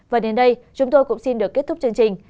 và đến đây chúng tôi cũng xin được kết thúc chương trình